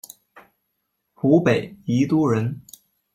湖北宜都人。